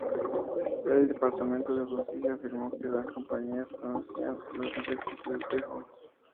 El Departamento de Justicia afirmó que las compañías conocían los defectos del espejo.